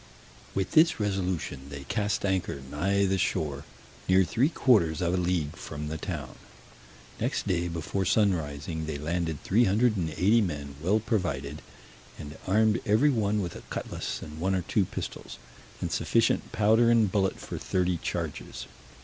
With this resolution they cast anchor nigh the shore, near three quarters of a league from the town: next day before sun rising, they landed three hundred and eighty men well provided, and armed every one with a cutlass, and one or two pistols, and sufficient powder and bullet for thirty charges.